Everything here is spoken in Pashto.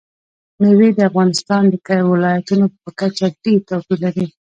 مېوې د افغانستان د ولایاتو په کچه ډېر توپیر لري.